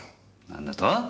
何だと！？